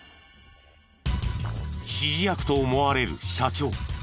指示役と思われる社長